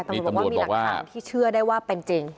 มีหลักฐานที่เชื่อได้ว่าเป็นจริง